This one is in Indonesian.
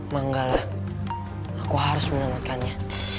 manggala aku harus menyelamatkannya